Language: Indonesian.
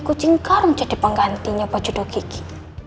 kucing garong jadi penggantinya pojodoh kiki